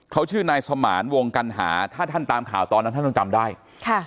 เขาชื่อนายสมานวงกัณหาถ้าท่านตามข่าวตอนนั้นท่านต้องจำได้ค่ะ